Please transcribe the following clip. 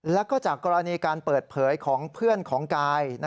แล้วก็จากกรณีการเปิดเผยของเพื่อนของกาย